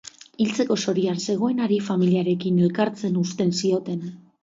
Hiltzeko zorian zegoenari familiarekin elkartzen uzten zioten.